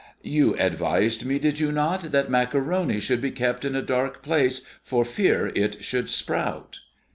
"You advised me, did you not, that maccaroni should be kept in a dark place for fear it should sprout?"